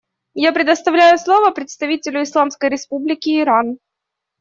Я предоставляю слово представителю Исламской Республики Иран.